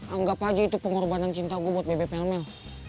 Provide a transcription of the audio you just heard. anggap aja itu pengorbanan cinta gue buat bebek melmel